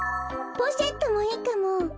ポシェットもいいかも！